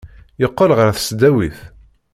Yeqqel ɣer tesdawit.